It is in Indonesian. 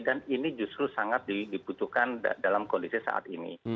dan ini justru sangat dibutuhkan dalam kondisi saat ini